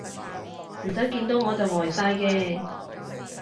唔使見到我就呆晒嘅